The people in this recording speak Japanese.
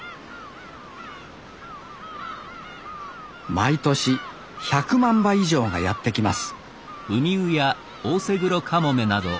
毎年１００万羽以上がやって来ます